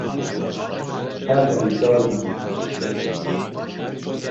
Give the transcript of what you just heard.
Her hebî çavê min.